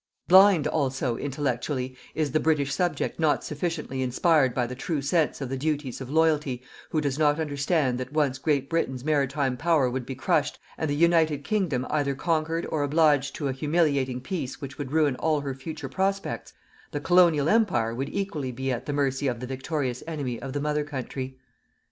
Blind also, intellectually, is the British subject not sufficiently inspired by the true sense of the duties of Loyalty, who does not understand that once Great Britain's maritime power would be crushed and the United Kingdom either conquered or obliged to an humiliating peace which would ruin all her future prospects, the Colonial Empire would equally be at the mercy of the victorious enemy of the Mother Country.